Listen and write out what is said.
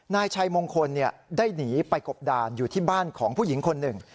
นายชัยมงคลได้หนีไปกบดานอยู่ที่บ้านของผู้หญิงคนหนึ่ง